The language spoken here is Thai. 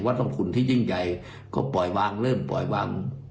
ต้องคุณที่ยิ่งใหญ่ก็ปล่อยวางเริ่มปล่อยวาง